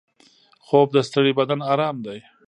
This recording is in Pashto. خوب د ستړي بدن ارام دی